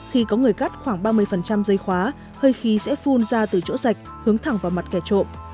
khi có người cắt khoảng ba mươi dây khóa hơi khí sẽ phun ra từ chỗ dạch hướng thẳng vào mặt kẻ trộm